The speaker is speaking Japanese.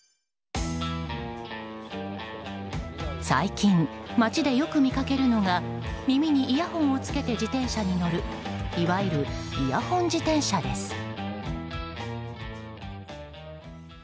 最近、街でよく見かけるのが耳にイヤホンをつけて自転車に乗るいわゆるイヤホン自転車です。